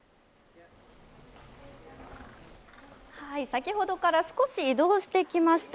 先ほどから少し移動してきました。